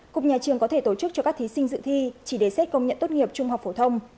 cục nhà trường có thể tổ chức cho các thí sinh dự thi chỉ để xét công nhận tốt nghiệp trung học phổ thông